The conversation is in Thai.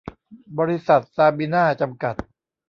บริษัท ซาบีน่า จำกัด